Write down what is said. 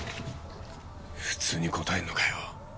普通に答えるのかよ。